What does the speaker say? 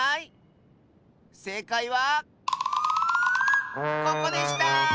せいかいはここでした！